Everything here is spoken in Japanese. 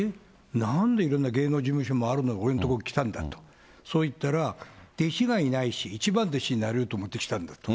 なんでいろんな芸能事務所もある中、俺んとこ来たんだって言ったら、そうしたら、弟子がいないし、一番弟子になれると思って来たんだと。